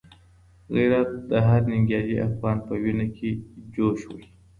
غیرت د هر ننګیالي افغان په وینه کي جوش وهي.